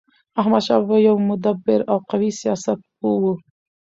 احمدشاه بابا يو مدبر او قوي سیاست پوه و.